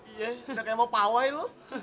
iya udah kayak mau pawai loh